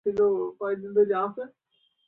তুমি কি বলবে বলো?